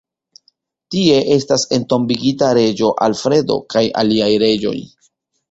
Tie estas entombigita reĝo Alfredo kaj aliaj reĝoj.